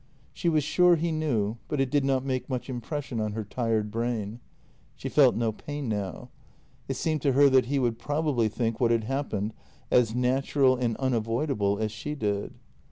She was sure he knew, but it did not make much impression on her tired brain. She felt no pain now. It seemed to her that he would prob ably think what had happened as natural and unavoidable as she did.